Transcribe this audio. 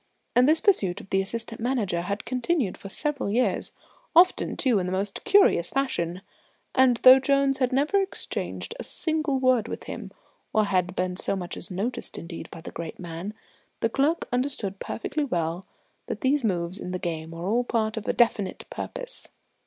And this pursuit of the Assistant Manager had continued for several years, often, too, in the most curious fashion; and though Jones had never exchanged a single word with him, or been so much as noticed indeed by the great man, the clerk understood perfectly well that these moves in the game were all part of a definite purpose.